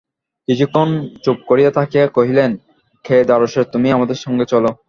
কিছুক্ষণ চুপ করিয়া থাকিয়া কহিলেন, কেদারেশ্বর, তুমিও আমাদের সঙ্গে চলো।